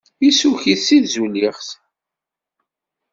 Issukk-it di tzulixt.